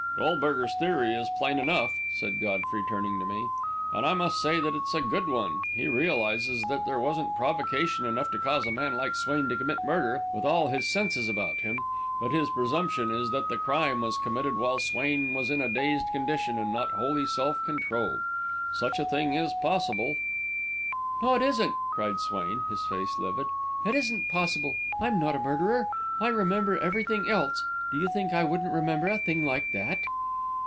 "Goldberger's theory is plain enough," said Godfrey, turning to me; "and I must say that it's a good one. He realises that there wasn't provocation enough to cause a man like Swain to commit murder, with all his senses about him; but his presumption is that the crime was committed while Swain was in a dazed condition and not wholly self controlled. Such a thing is possible." "No, it isn't!" cried Swain, his face livid. "It isn't possible! I'm not a murderer. I remember everything else do you think I wouldn't remember a thing like that!"